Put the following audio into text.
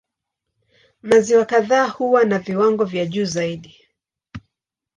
Maziwa kadhaa huwa na viwango vya juu zaidi.